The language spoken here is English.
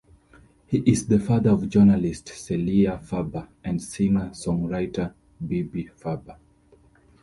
He is the father of journalist Celia Farber and singer-songwriter Bibi Farber.